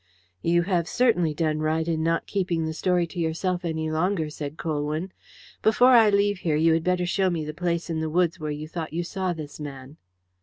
"You have certainly done right in not keeping the story to yourself any longer," said Colwyn. "Before I leave here you had better show me the place in the woods where you thought you saw this man."